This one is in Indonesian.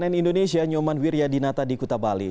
cnn indonesia nyoman wiryadinata di kuta bali